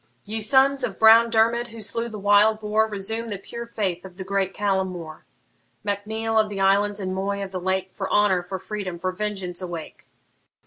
Ye sons of brown Dermid, who slew the wild boar, Resume the pure faith of the great Callum More! Mac Neil of the islands, and Moy of the Lake, For honour, for freedom, for vengeance awake!